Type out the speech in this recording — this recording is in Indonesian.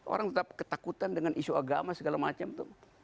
orang tetap ketakutan dengan isu agama segala macam